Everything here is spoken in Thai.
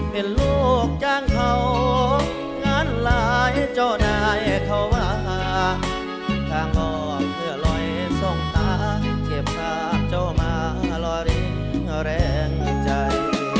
เป็นลูกจ้างเขางานหลายเจ้านายเขาว่าทางบ่เผื่อลอยทรงตาเขียบทางเจ้ามาละริงแรงใจ